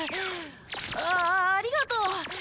あっありがとう。